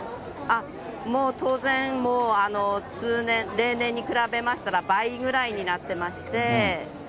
もう当然、もう通年、例年に比べましたら倍ぐらいになってまして。